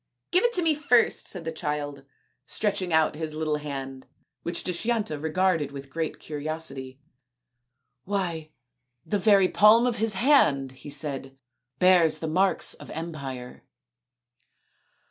" Give it to me first/' said the child, stretching out his little hand, which Dushyanta regarded with great curiosity. " Why the very palm of his hand/' he said, " bears the marks of empire."